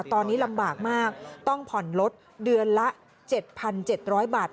ตอนนี้ลำบากมากต้องผ่อนลดเดือนละ๗๗๐๐บาท